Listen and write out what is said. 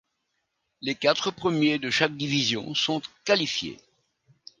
Les quatre premiers de chaque division sont qualifiés.